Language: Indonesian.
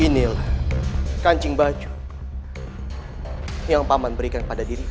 inilah kancing baju yang paman berikan pada diri